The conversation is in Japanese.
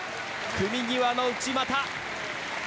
組み際の内股。